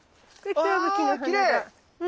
あきれい！